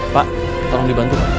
pak tolong dibantu